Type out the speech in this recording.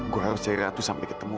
gue harus cari ratu sampai ketemu